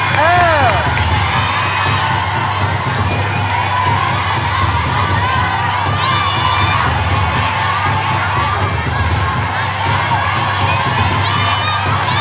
สวัสดีค่ะ